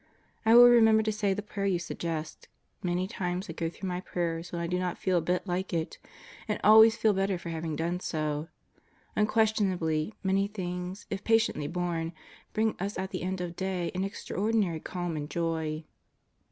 I will remember to say the prayer you suggest. Many times I go Deeper Depths and Broader Horizons 125 through my prayers when I do not feel a bit like it, and always feel better for having done so. Unquestionably, many things, if patiently borne, bring us at the end of day an extraordinary calm and joy.